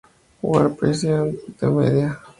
War, Peace and the Media.